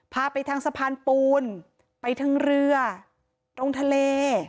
พาไปทางสะพานปูนไปทางเรือตรงทะเล